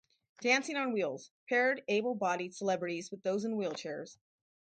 "Dancing on Wheels" paired able-bodied celebrities with those in wheelchairs.